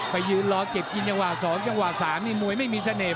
ไปยืนรอเก็บกินยังว่า๒ยังว่า๓มวยไม่มีเสน่ห์